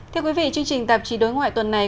thưa quý vị chương trình tạp chí đối ngoại tuần này